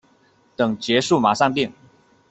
等结束马上订